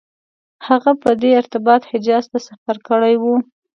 هغه په دې ارتباط حجاز ته سفر کړی و.